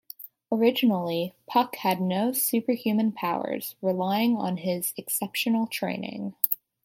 Originally, Puck had no superhuman powers, relying on his exceptional training.